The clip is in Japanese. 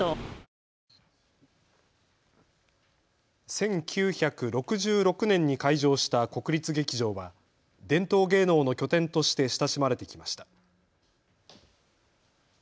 １９６６年に開場した国立劇場は伝統芸能の拠点として親しまれてきました。